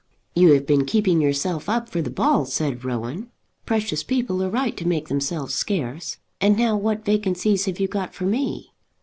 "You have been keeping yourself up for the ball," said Rowan. "Precious people are right to make themselves scarce. And now what vacancies have you got for me?"